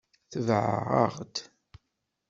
Tbeɛ-aɣ-d!